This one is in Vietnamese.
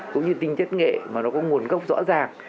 cũng như tinh chất nghệ mà nó có nguồn gốc rõ ràng